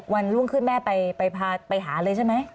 วันรุ่งขึ้นแม่ไปพาไปหาเลยใช่ไหม